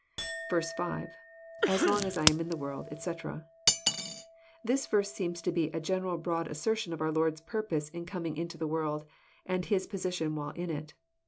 •.— [^As long as lam in the world, etc"] This verse seems to be a general broad assertion of our Lord's purpose in coming into the world, and His position while in it.